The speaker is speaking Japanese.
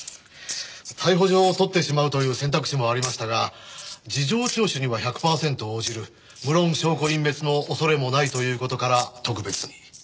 逮捕状を取ってしまうという選択肢もありましたが事情聴取には１００パーセント応じる無論証拠隠滅の恐れもないという事から特別に。